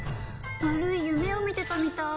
悪い夢を見てみたい。